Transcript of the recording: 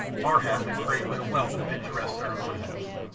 Ar hap had prayed with a wealth of picturesque ceremonial.